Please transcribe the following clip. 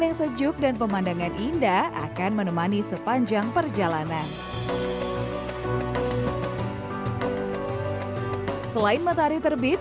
yang sejuk dan pemandangan indah akan menemani sepanjang perjalanan selain matahari terbit